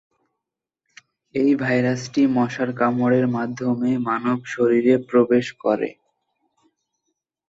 এই ভাইরাসটি মশার কামড়ের মাধ্যমে মানব শরীরে প্রবেশ করে।